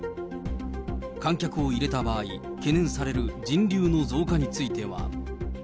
観客を入れた場合、懸念される人流の増加については。